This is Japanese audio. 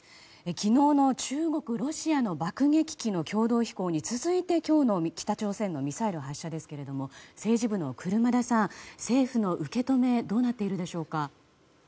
昨日の中国、ロシアの爆撃機の共同飛行に続いて今日の北朝鮮のミサイル発射ですけれども政治部の車田さん政府の受け止めはどうなっているでしょうか。